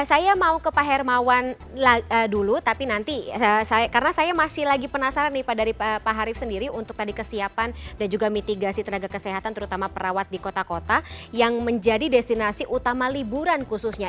saya mau ke pak hermawan dulu tapi nanti karena saya masih lagi penasaran nih pak dari pak harif sendiri untuk tadi kesiapan dan juga mitigasi tenaga kesehatan terutama perawat di kota kota yang menjadi destinasi utama liburan khususnya